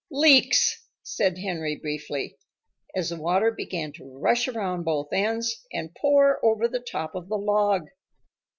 "Leaks," said Henry briefly, as the water began to rush around both ends and pour over the top of the log.